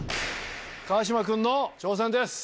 川島君の挑戦です。